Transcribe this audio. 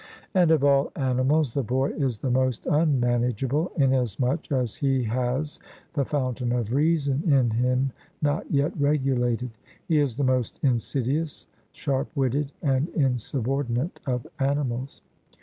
And of all animals the boy is the most unmanageable, inasmuch as he has the fountain of reason in him not yet regulated; he is the most insidious, sharp witted, and insubordinate of animals.